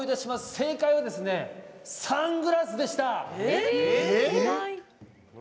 正解はサングラスでした。